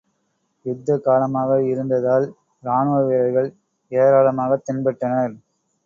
யுத்த காலமாக இருந்ததால் ராணுவவீரர்கள் ஏராளமாகத் தென்பட்டனர்.